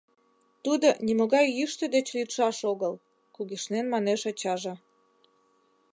Тудо нимогай йӱштӧ деч лӱдшаш огыл, — кугешнен манеш ачаже.